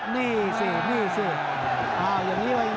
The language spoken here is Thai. นี่สินี่สิ